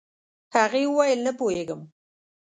هغې وويل نه پوهيږم.